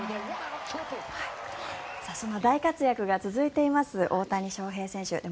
そんな大活躍が続いています、大谷翔平選手。